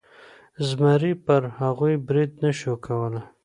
زمري پر هغوی برید نشو کولی.